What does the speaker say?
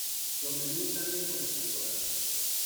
Los menús cambian con las temporadas.